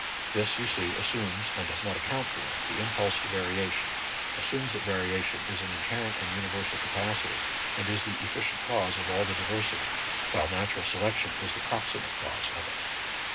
This, you see, as sumes, and does not account for, the impulse to variation, assumes that variation is an inherent and universal capacity, and is the efficient cause of all the diversity ; while natural selection is the proximate cause of it.